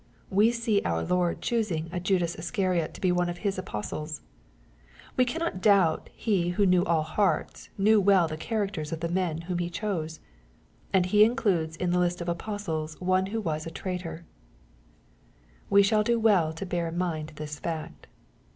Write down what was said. We see our Lord choosing a Judas Iscariot to be one of His apostles. We cannot doubt that He who knew all hearts, knew well the charac ters of the men whom He chose. And He includes in the list of apostles one ;s£howas a traitor 1 We shaU do well to bear in mind this fact.